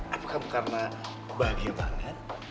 apa kamu karena bahagia banget